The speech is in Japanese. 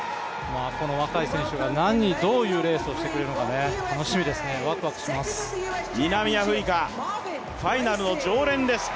この若い選手がどういうレースをしてくれるのか楽しみですね。